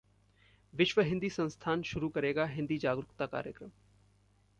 विश्व हिंदी संस्थान शुरू करेगा हिंदी जागरुकता कार्यक्रम